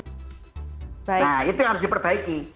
nah itu yang harus diperbaiki